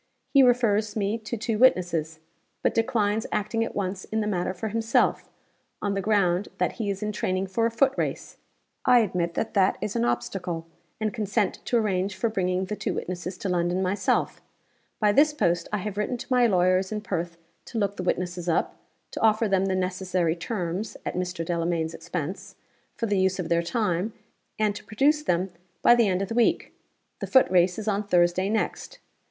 He refers me to two witnesses; but declines acting at once in the matter for himself, on the ground that he is in training for a foot race. I admit that that is an obstacle, and consent to arrange for bringing the two witnesses to London myself. By this post I have written to my lawyers in Perth to look the witnesses up; to offer them the necessary terms (at Mr. Delamayn's expense) for the use of their time; and to produce them by the end of the week. The footrace is on Thursday next.